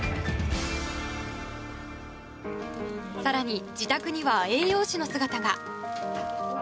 更に自宅には栄養士の姿が。